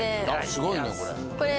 すごいねこれ。